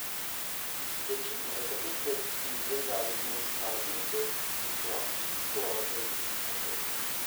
The two are depicted in Will Eisner's cartoon book "The Plot", co-authored with Eco.